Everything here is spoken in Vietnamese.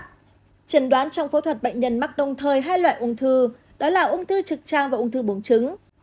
trần đoán trong phẫu thuật bệnh nhân mắc đông thời hai loại ung thư đó là ung thư trực tràng và ung thư buông trứng